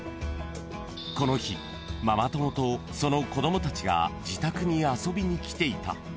［この日ママ友とその子供たちが自宅に遊びに来ていた］